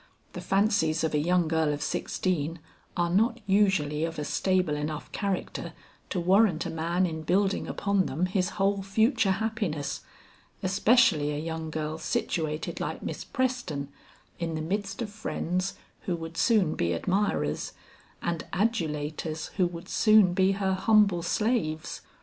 The fancies of a young girl of sixteen are not usually of a stable enough character to warrant a man in building upon them his whole future happiness, especially a young girl situated like Miss Preston in the midst of friends who would soon be admirers, and adulators who would soon be her humble slaves.